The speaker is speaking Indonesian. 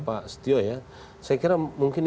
pak setio ya saya kira mungkin